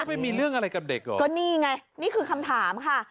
ไปมีเรื่องอะไรกับเด็กเหรอก็นี่ไงนี่คือคำถามค่ะ